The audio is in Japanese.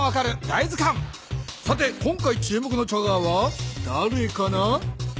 さて今回注目のチャガーはだれかな？